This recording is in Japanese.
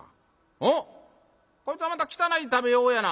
おっこいつはまた汚い食べようやな。